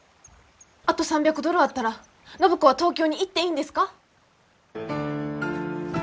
あと３００ドルあったら暢子は東京に行っていいんですか？